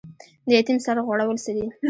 د یتیم سر غوړول څه دي؟